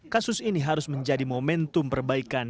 kasus ini harus menjadi momentum perbaikan